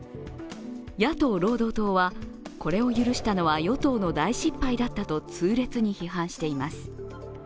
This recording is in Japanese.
野党・労働党はこれを許したのは与党の大失敗だったと痛烈に批判しています。